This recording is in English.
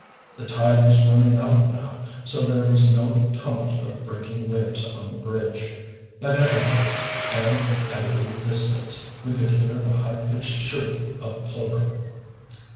The tide was running out now, so there was no tumult of breaking waves on the Bridge. At intervals, and at a great distance, we could hear the high pitched shriek of plover.